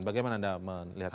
bagaimana anda melihat